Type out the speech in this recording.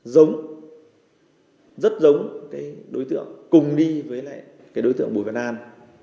giống rất giống cái đối tượng cùng đi với lại cái đối tượng bùi văn an